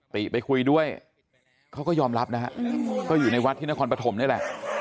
ติไปคุยด้วยเขาก็ยอมรับนะฮะก็อยู่ในวัดที่นครปฐมนี่แหละ